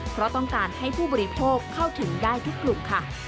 เพราะต้องการให้ผู้บริโภคเข้าถึงได้ทุกกลุ่มค่ะ